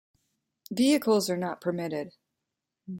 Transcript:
Vehicles are not permitted.